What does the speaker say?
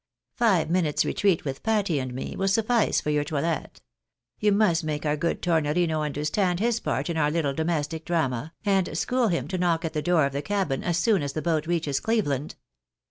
Five minutes' retreat with Patty and me, will suffice for your toilet. You must make our good Tornorino understand his part in our little domestic drama, and school him to knock at the door of the cabin as soon as the boat reaches Cleveland.